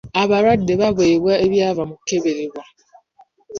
Abalwadde baaweebwa ebyava mu kukeberebwa.